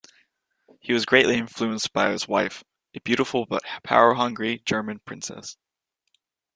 He was greatly influenced by his wife, a beautiful but power-hungry German princess.